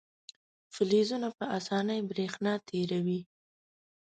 فلزونه په اسانۍ برېښنا تیروي.